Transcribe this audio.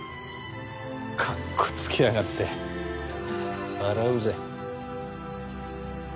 かっこつけやがって笑うぜ。